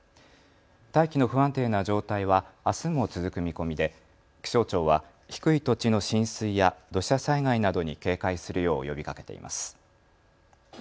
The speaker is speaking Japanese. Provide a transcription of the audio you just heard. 大気の不安定な状態はあすも続く見込みで気象庁は低い土地の浸水や土砂災害などに警戒するよう呼びかけています。